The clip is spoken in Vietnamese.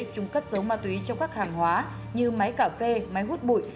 chung cất dấu ma túy cho các hàng hóa như máy cà phê máy hút bụi